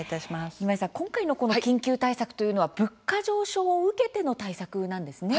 今回の緊急対策というのは物価上昇を受けての対策なんですね。